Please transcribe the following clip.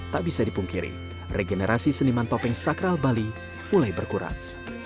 tak bisa dipungkiri regenerasi seniman topeng sakral bali mulai berkurang